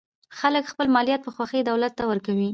خلک خپل مالیات په خوښۍ دولت ته ورکوي.